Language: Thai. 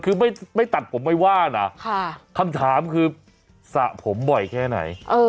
คือไม่ตัดผมไม่ว่านะคำถามคือสระผมบ่อยแค่ไหน